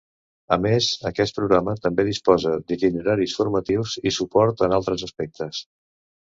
A més, aquest programa també disposa d’itineraris formatius i suport en altres aspectes.